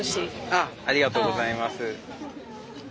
ありがとうございます。